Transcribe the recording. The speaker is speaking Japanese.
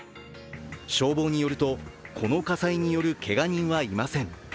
消防によると、この火災によるけが人はいません。